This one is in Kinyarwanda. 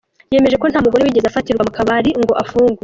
Yemeje ko nta mugore wigeze afatirwa mu kabari ngo afungwe.